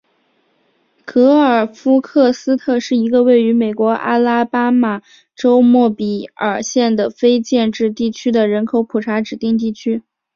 格尔夫克斯特是一个位于美国阿拉巴马州莫比尔县的非建制地区和人口普查指定地区。